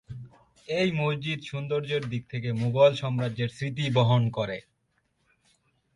এই মসজিদ সৌন্দর্যের দিক থেকে মুঘল সাম্রাজ্যের স্মৃতি বহন করে।